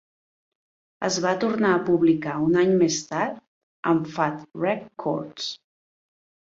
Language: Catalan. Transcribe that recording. Es va tornar a publicar un any més tard amb Fat Wreck Chords.